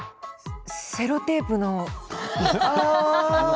セロテープの。